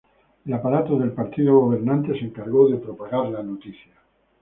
El aparato del partido gobernante se encargó de propagar la noticia